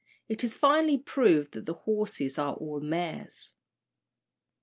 It is finally proved that the horses are all mares.